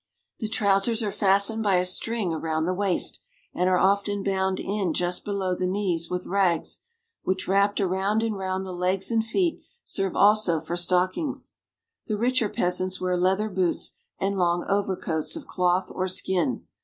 The trousers are fastened by a string around the waist, and are often bound in just below the knees with rags, which, wrapped round and round the legs and feet, serve also for stockings. The richer peasants wear leather boots and long overcoats of cloth or skin.